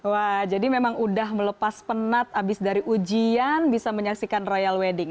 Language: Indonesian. wah jadi memang udah melepas penat abis dari ujian bisa menyaksikan royal wedding